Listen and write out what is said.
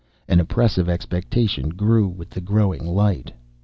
An oppressive expectation grew with the growing light.